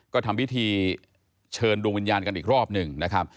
ก็ทำพิธีเชิญดวงวิญญาณกันอีกรอบหนึ่งนะครับ